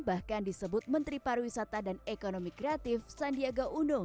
bahkan disebut menteri pariwisata dan ekonomi kreatif sandiaga uno